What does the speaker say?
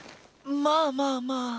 まあまあまあ。